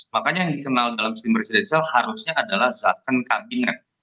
makanya yang dikenal dalam sistem presidensial harusnya adalah zakon kabinet